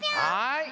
はい！